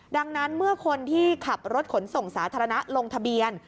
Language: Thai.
ดังนั้นเมื่อคนที่ขับรถขนส่งสาธารณะลงทะเบียน